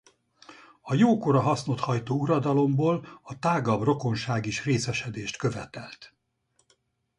A jókora hasznot hajtó uradalomból a tágabb rokonság is részesedést követelt.